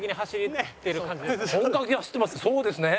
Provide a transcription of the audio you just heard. そうですね